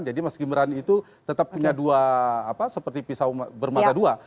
jadi mas gibran itu tetap punya dua seperti pisau bermata dua